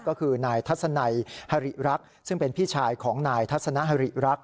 ก็คือนายทัศนัยฮริรักษ์ซึ่งเป็นพี่ชายของนายทัศนฮริรักษ